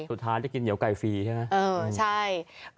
สุดท้ายได้กินเหนียวไก่ฟรีใช่ไหม